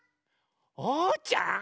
おうちゃん？